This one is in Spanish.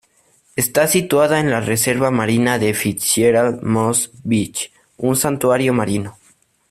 Está situada en la reserva marina de Fitzgerald Moss Beach, un santuario marino.